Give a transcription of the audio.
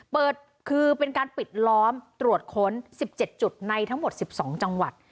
เปิดคือเป็นการปิดล้อมตรวจค้น๑๗จุดในทั้งหมด๑๒จังหวัด